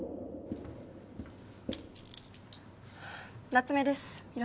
夏目です